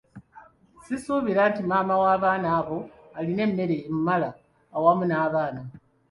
Sisuubira nti maama w'abaana abo alina emmere emumala awamu n'abaana.